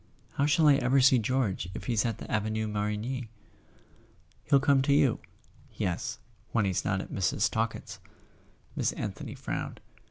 How shall I ever see George if he's at the Avenue Marigny ?" "He'll come to you." "Yes—when he's not at Mrs. Talkett's!" Miss Anthony frowned.